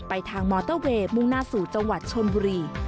ทางมอเตอร์เวย์มุ่งหน้าสู่จังหวัดชนบุรี